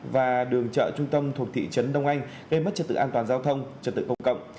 và đường chợ trung tâm thuộc thị trấn đông anh gây mất trật tự an toàn giao thông trật tự công cộng